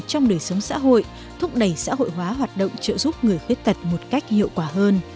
trong đời sống xã hội thúc đẩy xã hội hóa hoạt động trợ giúp người khuyết tật một cách hiệu quả hơn